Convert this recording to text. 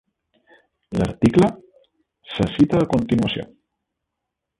L'article se cita a continuació.